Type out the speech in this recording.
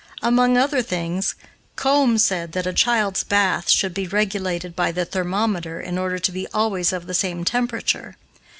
Among other things, Combe said that a child's bath should be regulated by the thermometer, in order to be always of the same temperature.